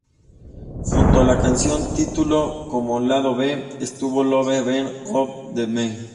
Junto a la canción título, como lado B, estuvo "Love's Been Good to Me.